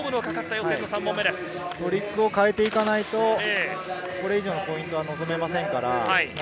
トリックを変えていかないと、これ以上のポイントは望めません。